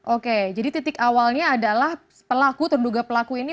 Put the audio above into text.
oke jadi titik awalnya adalah pelaku terduga pelaku ini